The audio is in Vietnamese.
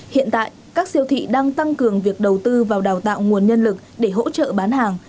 hiện tại các siêu thị đang tăng cường việc đầu tư vào đào tạo nguồn nhân lực để hỗ trợ bán hàng